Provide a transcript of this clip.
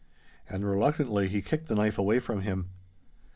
And reluctantly he kicked the knife away from him.